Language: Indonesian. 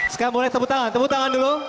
sekarang boleh tepuk tangan tepuk tangan dulu